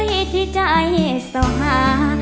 ใครที่จะให้สว่า